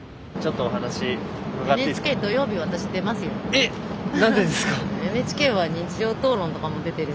えっ！何でですか？